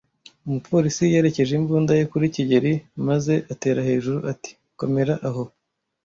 Umupolisi yerekeje imbunda ye kuri kigeli maze atera hejuru ati: "Komera aho!"